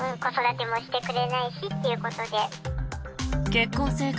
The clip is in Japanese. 結婚生活